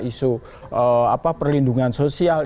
isu perlindungan sosial